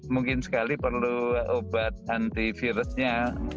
mungkin sekali perlu obat antivirusnya